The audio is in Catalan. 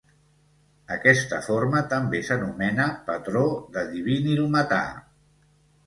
Aquesta forma també s'anomena "patró de divinilmetà".